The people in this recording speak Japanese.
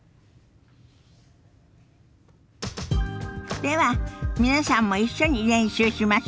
では皆さんも一緒に練習しましょ。